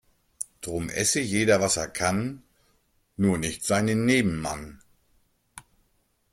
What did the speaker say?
Drum esse jeder was er kann, nur nicht seinen Nebenmann.